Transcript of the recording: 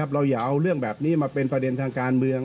เราอย่าเอาเรื่องแบบนี้มาเป็นประเด็นทางการเมือง